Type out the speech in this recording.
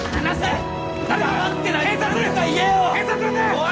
おい！